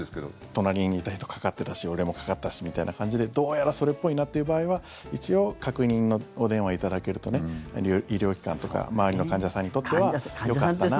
隣にいた人かかってたし俺もかかったしみたいな感じでどうやらそれっぽいなっていう場合は一応、確認のお電話いただけると医療機関とか周りの患者さんにとってはよかったなって。